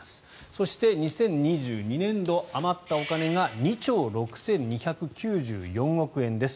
そして、２０２２年度余ったお金が２兆６２９４億円です。